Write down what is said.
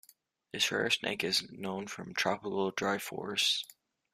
This rare snake is known from tropical dry forests.